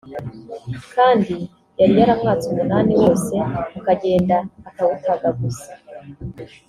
kandi yari yaramwatse umunani wose akagenda akawutagaguza